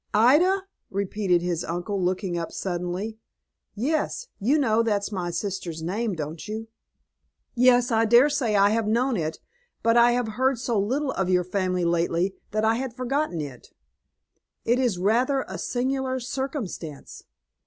"Ida!" repeated his Uncle Abel, looking up, suddenly. "Yes. You know that's my sister's name, don't you?" "Yes, I dare say I have known it; but I have heard so little of your family lately, that I had forgotten it. It is rather a singular circumstance."